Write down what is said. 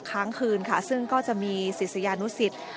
ค้างคืนค่ะซึ่งก็จะมีศิษยานุสิต